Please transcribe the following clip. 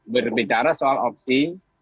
berbicara soal opsi